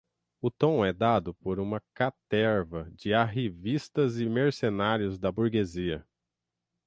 o tom é dado por uma caterva de arrivistas e mercenários da burguesia